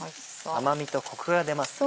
甘味とコクが出ますね。